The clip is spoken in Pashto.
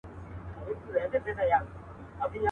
لاس تر غاړه له خپل بخت سره جوړه سوه.